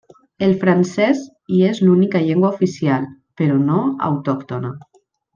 El francès hi és l'única llengua oficial, però no autòctona.